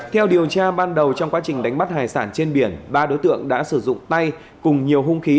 theo điều tra ban đầu trong quá trình đánh bắt hải sản trên biển ba đối tượng đã sử dụng tay cùng nhiều hung khí